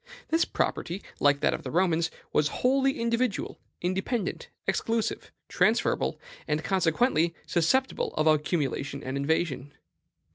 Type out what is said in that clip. This property, like that of the Romans, was wholly individual, independent, exclusive, transferable, and consequently susceptible of accumulation and invasion.